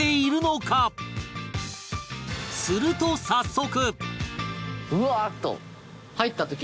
すると早速！